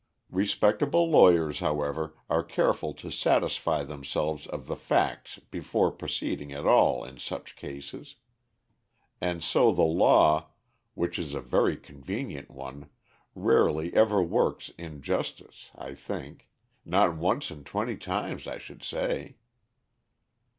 Respectable lawyers, however, are careful to satisfy themselves of the facts before proceeding at all in such cases; and so the law, which is a very convenient one, rarely ever works injustice, I think not once in twenty times, I should say."